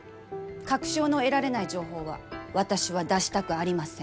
確証の得られない情報は私は出したくありません。